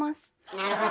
なるほど。